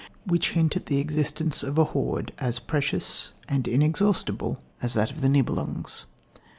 which hint at the existence of a hoard as precious and inexhaustible as that of the Nibelungs.